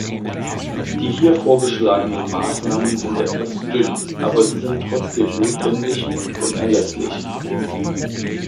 Die hier vorgeschlagenen Maßnahmen sind etwas dünn, aber sie sind trotzdem notwendig und unerlässlich.